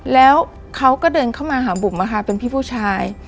แล้วเขาก็เดินเข้ามาหาบุ๋มเป็นพี่ผู้ชาย